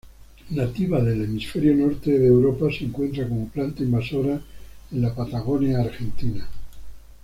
Nativa del hemisferio norte Europa, se encuentra como planta invasora en la Patagonia Argentina.